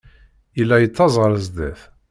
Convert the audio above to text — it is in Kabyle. Yella yettaẓ ɣer sdat.